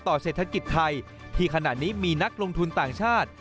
เศรษฐกิจไทยที่ขณะนี้มีนักลงทุนต่างชาติ